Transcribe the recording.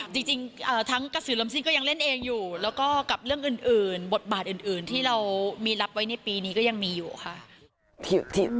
จริงทั้งกระสือลำซิ่งก็ยังเล่นเองอยู่แล้วก็กับเรื่องอื่นบทบาทอื่นที่เรามีรับไว้ในปีนี้ก็ยังมีอยู่ค่ะ